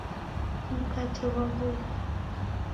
Mkate ghwaw'urwa.